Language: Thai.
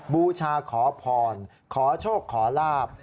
บูชาขอพรขอโชคขอลาบ